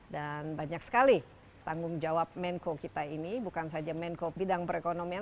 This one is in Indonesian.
dan banyak sekali tanggung jawab menko kita ini bukan saja menko bidang perekonomian